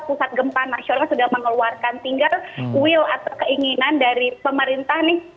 pusat gempa nasional sudah mengeluarkan tinggal will atau keinginan dari pemerintah nih